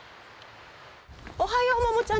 おはようモモちゃん。